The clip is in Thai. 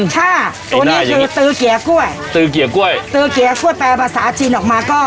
ค่ะตัวนี้คือตือเกียร์กล้วยตื้อเกียร์กล้วยตือเกลียกล้วยแปลภาษาจีนออกมาก็